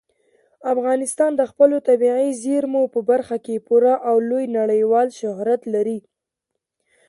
افغانستان د خپلو طبیعي زیرمو په برخه کې پوره او لوی نړیوال شهرت لري.